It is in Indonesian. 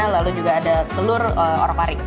lalu juga ada telur orok pari